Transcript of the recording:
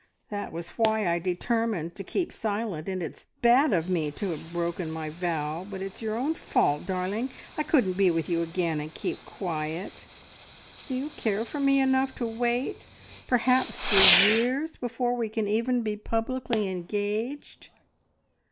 That was why I determined to keep silent, and it's bad of me to have broken my vow, but it's your own fault, darling! I couldn't be with you again, and keep quiet. Do you care for me enough to wait perhaps for years before we can even be publicly engaged?"